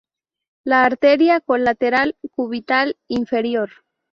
La arteria Colateral Cubital Inferior.